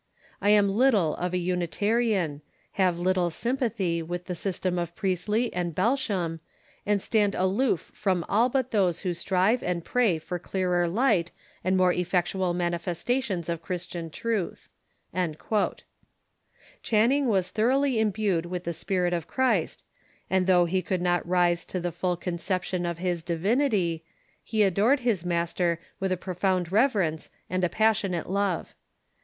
I am little of a Unita rian, have little sympathy with the sj'stem of Priestley and Belsham, and stand aloof from all but those who strive and pray for clearer light and more effectual manifestations of Christian truth."* Channing was thoroughly imbued with the spirit of Christ ; and, though he could not rise to the full conception of his divinity, he adored his Master with a pro found reverence and a passionate love.